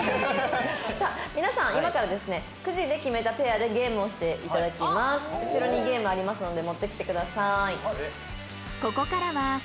「さあ皆さん今からですねクジで決めたペアでゲームをして頂きます」「後ろにゲームありますので持ってきてください」